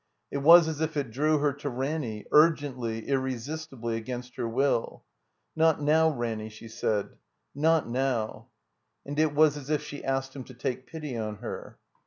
It was as if it drew her to Ranny, urgently, irresistibly, against her will. "Not now, Ranny," she said, "not now." And it was as if she asked him to take pity on her.